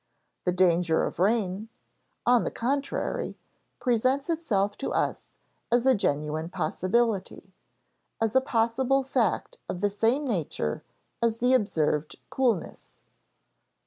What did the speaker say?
The danger of rain, on the contrary, presents itself to us as a genuine possibility as a possible fact of the same nature as the observed coolness.